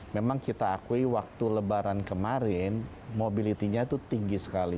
memang kita akui waktu lebaran kemarin mobility nya itu tinggi sekali